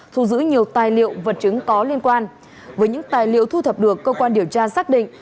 thu giữ nhiều tài liệu vật chứng có liên quan với những tài liệu thu thập được cơ quan điều tra xác định